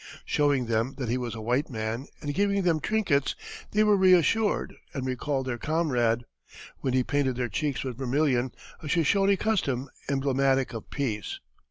Showing them that he was a white man, and giving them trinkets, they were reassured and recalled their comrade, when he painted their cheeks with vermilion, a Shoshone custom emblematic of peace.